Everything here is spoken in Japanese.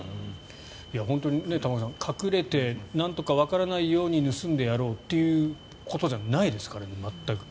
本当に玉川さん、隠れてなんとかわからないように盗んでやろうということじゃないですからね、全く。